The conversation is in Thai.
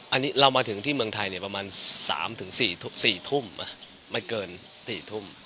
อันนี้เรามาถึงที่เมืองไทยประมาณ๓๔ทุ่มไม่เกิน๔ทุ่ม